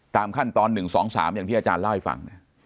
ตามขั้นตอน๑๒๓อย่างที่อาจารย์เล่าให้ฟัง